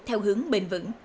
theo hướng bền vững